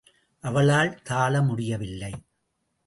அவளால் தாள முடியவில்லை.